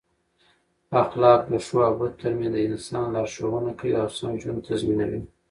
اخلاق د ښو او بدو ترمنځ د انسان لارښوونه کوي او سم ژوند تضمینوي.